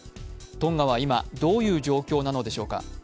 トンガは今どういう状況なのでしょうか。